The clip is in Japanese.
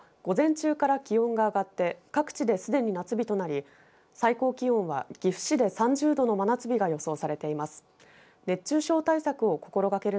きょうの東海３県は午前中から気温が上がって各地ですでに夏日となり最高気温は岐阜市で３０度の真夏日が予想されています。